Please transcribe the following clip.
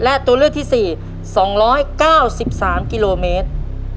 และตัวเลือกที่๔สองร้อยเก้าสิบสามกิโลเมตร